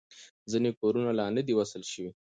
ځینې کورونه لا نه دي وصل شوي.